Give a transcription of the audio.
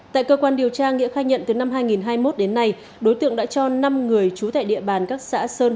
tại cơ quan điều tra nghĩa khai nhận từ năm hai nghìn hai mươi một đến nay đối tượng đã cho năm người trú tại địa bàn các xã sơn